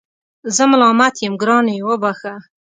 زه ملامت یم ګرانې وبخښه